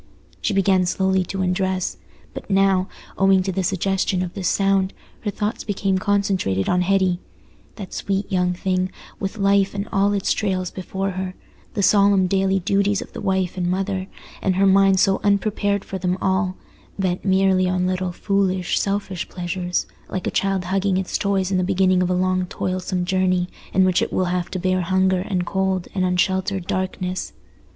She began slowly to undress; but now, owing to the suggestions of this sound, her thoughts became concentrated on Hetty—that sweet young thing, with life and all its trials before her—the solemn daily duties of the wife and mother—and her mind so unprepared for them all, bent merely on little foolish, selfish pleasures, like a child hugging its toys in the beginning of a long toilsome journey in which it will have to bear hunger and cold and unsheltered darkness.